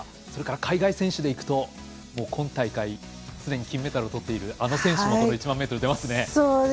海外選手でいくと今大会、すでに金メダルをとっているあの選手もこの１００００ｍ出ますね。